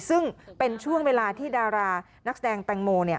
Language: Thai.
ซึ่งเป็นช่วงเวลาที่ดารานักแสดงแตงโม